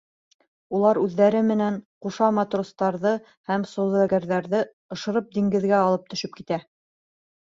Улар үҙҙәре менән ҡуша матростарҙы һәм сауҙагәрҙәрҙе ышырып диңгеҙгә алып төшөп китә.